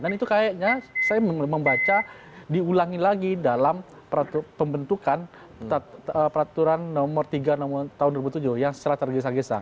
dan itu kayaknya saya membaca diulangi lagi dalam pembentukan peraturan nomor tiga tahun dua ribu tujuh yang secara tergesa gesa